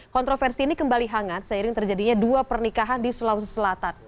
kontroversi ini kembali hangat seiring terjadinya dua pernikahan di sulawesi selatan